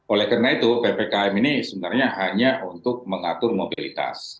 oleh karena itu ppkm ini sebenarnya hanya untuk mengatur mobilitas